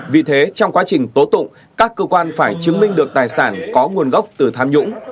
vì thế trong quá trình tố tụng các cơ quan phải chứng minh được tài sản có nguồn gốc từ tham nhũng